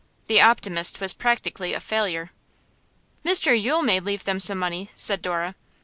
"The Optimist" was practically a failure.' 'Mr Yule may leave them some money,' said Dora.